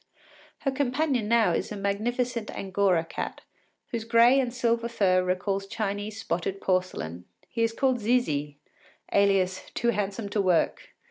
Her companion now is a magnificent angora cat, whose gray and silver fur recalls Chinese spotted porcelain. He is called Zizi, alias “Too Handsome to Work.